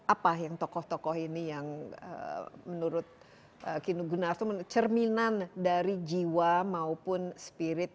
apa yang tokoh tokoh ini yang menurut kinu gunarto cerminan dari jiwa maupun spirit